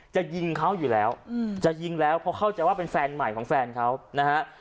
จะยิงเขาอยู่แล้วจะยิงแล้วเพราะเข้าใจว่าเป็นแฟนใหม่ของแฟนเขานะฮะ